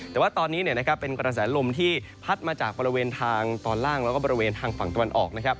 แต่ว่าตอนนี้เป็นกระแสลมที่พัดมาจากบริเวณทางตอนล่างแล้วก็บริเวณทางฝั่งตะวันออกนะครับ